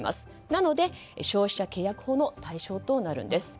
なので、消費者契約法の対象となるんです。